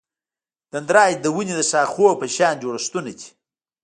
دندرایت د ونې د شاخونو په شان جوړښتونه دي.